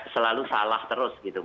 selalu salah terus gitu